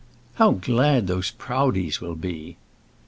"How glad those Proudies will be!"